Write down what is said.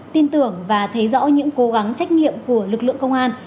tin tưởng và thấy rõ những cố gắng trách nhiệm của lực lượng công an